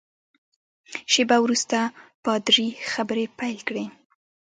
شېبه وروسته پادري خبرې پیل کړې.